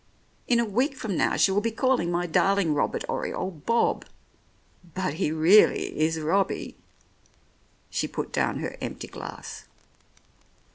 In a week from now she will be calling my darling Robert Oriole, Bob. But he really is Robbie." She put down her empty glass.